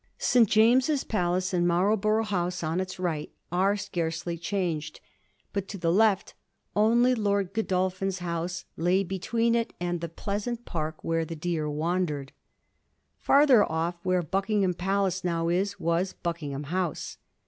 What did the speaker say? St. James's Palace and Marlborough House on its right are scarcely changed ; but to the left only Lord Godolphin's house lay between it and the pleasant park where the deer wandered. Farther off, where Buckingham Palace now is, was Bucking ham House.